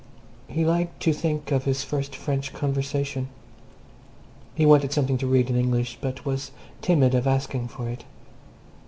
He liked to think of his first French conversation. He wanted something to read in English, but was timid of asking for it.